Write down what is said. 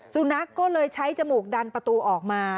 สุนัขก็เลยใช้จมูกดันประตูออกมา